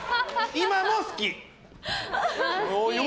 今も好き？